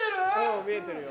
うん見えてるよ。